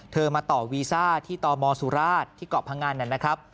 มาต่อวีซ่าที่ตมสุราชที่เกาะพงันนะครับ